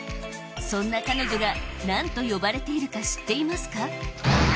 そんな彼女が何と呼ばれているか知っていますか。